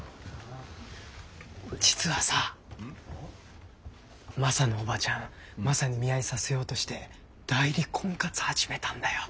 実はさマサのオバチャンマサに見合いさせようとして代理婚活始めたんだよ。